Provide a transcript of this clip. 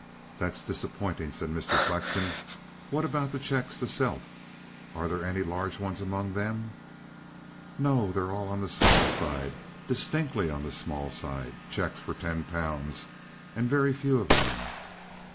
"That's disappointing," said Mr. Flexen. "What about the cheques to 'Self'? Are there any large ones among them?" "No. They're all on the small side distinctly on the small side cheques for ten pounds and very few of them."